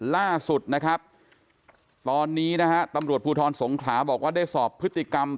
ล่าสุดตอนนี้ตำรวจภูทรสงขลาบอกว่าได้สอบพฤติกรรมตำรวจ